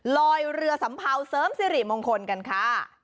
ลอยเรือสัมเภาเสริมสิริมงคลกันค่ะ